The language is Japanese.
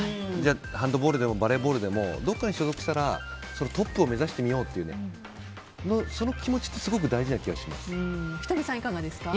ハンドボールでもバレーボールでもどこかに所属したらトップを目指してみようってその気持ちは仁美さん、いかがですか？